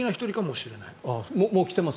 もう来ています？